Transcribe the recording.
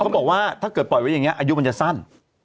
เขาบอกว่าถ้าเกิดปล่อยไว้อย่างนี้อายุมันจะสั้น